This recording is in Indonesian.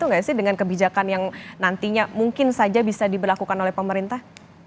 nggak sih dengan kebijakan yang nantinya mungkin saja bisa diberlakukan oleh pemerintah